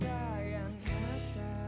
tapi aku juga gak bisa nari